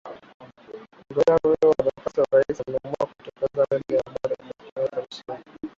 mgombea huyo wa nafasi ya urais ameamua kujitokeza mbele ya wanahabari na kujitangaza mshindi